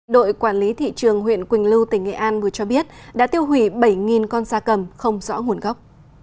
đội quản lý thị trường huyện quỳnh lưu tỉnh nghệ an vừa cho biết đã tiêu hủy bảy con da cầm không rõ nguồn gốc